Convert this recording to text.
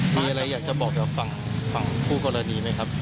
มีอะไรอยากจะบอกเพื่อฟังผู้กรณีไหมครับ